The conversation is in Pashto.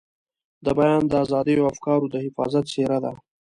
د بیان د ازادۍ او افکارو د حفاظت څېره ده.